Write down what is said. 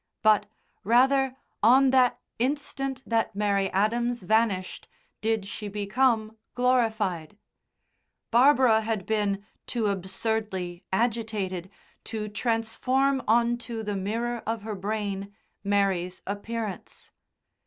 But, rather, on that instant that Mary Adams vanished did she become glorified. Barbara had been too absurdly agitated to transform on to the mirror of her brain Mary's appearance.